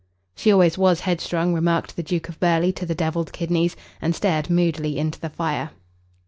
"She always was headstrong," remarked the Duke of Burghley to the devilled kidneys, and stared moodily into the fire.